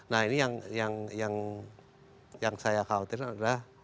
nah ini yang saya khawatir adalah